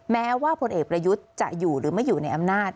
แม้ว่าพลเอกประยุทธ์จะอยู่หรือไม่อยู่ในอำนาจ